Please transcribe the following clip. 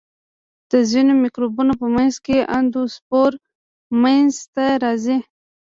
د ځینو مکروبونو په منځ کې اندوسپور منځته راځي.